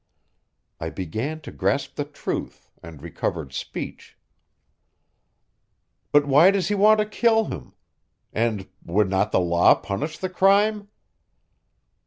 I began to grasp the truth, and recovered speech. "But why does he want to kill him? And would not the law punish the crime?"